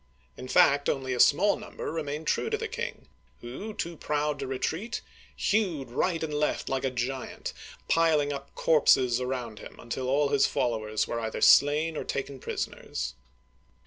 In fact, only a small number remained true to the king, who, too proud to re treat, hewed right and left like a giant, piling up corpses around him until all his followers were either slain or taken prisoners.